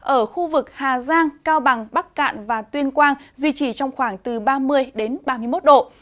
ở khu vực hà giang cao bằng bắc cạn và tuyên quang duy trì trong khoảng từ ba mươi ba mươi một độ